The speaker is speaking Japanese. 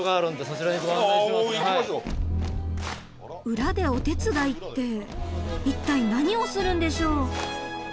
裏でお手伝いって一体何をするんでしょう？